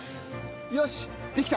よしできた！